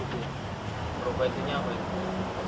ini diperlukan untuk membayar hutang